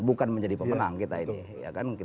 bukan menjadi pemenang kita ini